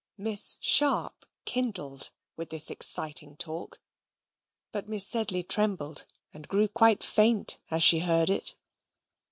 Miss Sharp kindled with this exciting talk, but Miss Sedley trembled and grew quite faint as she heard it.